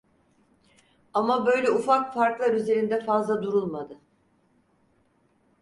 Ama böyle ufak farklar üzerinde fazla durulmadı.